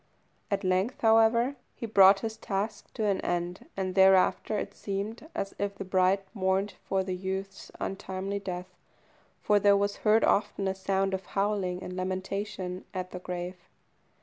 At length, however, he brought his task to an end, and thereafter it seemed as if the bride mourned for the youth's untimely death, for there was heard often a sound of howling and lamentation at the grave.